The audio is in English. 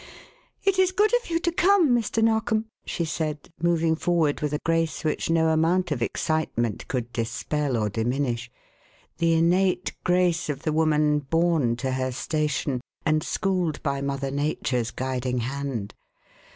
"It is good of you to come, Mr. Narkom," she said, moving forward with a grace which no amount of excitement could dispel or diminish the innate grace of the woman born to her station and schooled by Mother Nature's guiding hand.